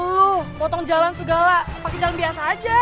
uh potong jalan segala pakai jalan biasa aja